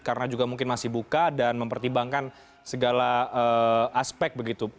karena juga mungkin masih buka dan mempertimbangkan segala aspek begitu